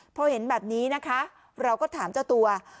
พอเห็นแบบนี้นะคะเราก็ถามเจ้าตัว